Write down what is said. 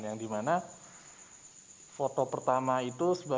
yang dimana foto pertama itu